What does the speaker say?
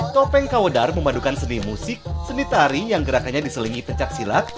topeng kawodar memadukan seni musik seni tari yang gerakannya diselingi pencak silat